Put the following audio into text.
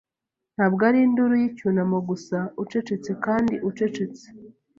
Ntabwo ari induru y'icyunamo gusa ucecetse kandi ucecetse